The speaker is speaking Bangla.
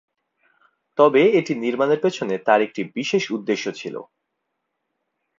তবে এটি নির্মাণের পেছনে তার একটি বিশেষ উদ্দেশ্য ছিল।